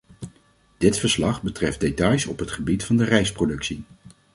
Dit verslag betreft details op het gebied van de rijstproductie.